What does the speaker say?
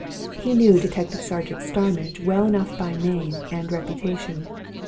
He knew Detective Sergeant Starmidge well enough by name and reputation.